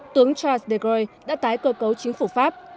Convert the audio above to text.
tướng charles de gaulle đã tái cơ cấu chính phủ pháp